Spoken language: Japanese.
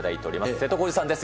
瀬戸康史さんです。